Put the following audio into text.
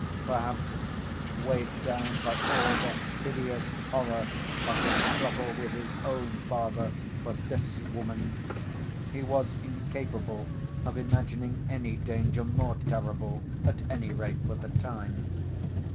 Perhaps, weighed down by all the hideous horror of his struggle with his own father for this woman, he was incapable of imagining any danger more terrible, at any rate for the time.